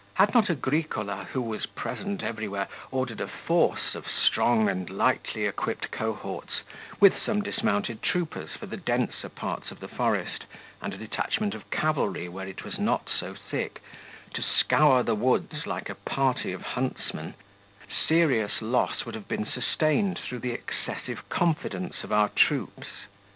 Had not Agricola, who was present everywhere, ordered a force of strong and lightly equipped cohorts, with some dismounted troopers for the denser parts of the forest, and a detachment of cavalry where it was not so thick, to scour the woods like a party of huntsmen, serious loss would have been sustained through the excessive confidence of our troops.